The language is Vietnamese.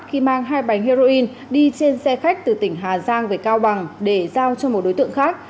khi mang hai bánh heroin đi trên xe khách từ tỉnh hà giang về cao bằng để giao cho một đối tượng khác